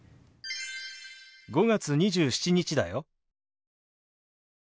５月２７日だよ。